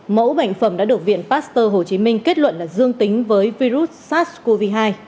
mẫu bệnh phẩm đã được viện pasteur hồ chí minh kết luận là dương tính với virus sars cov hai